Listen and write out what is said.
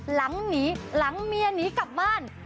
หลังหนีหลังเมียหนีกลับบ้าน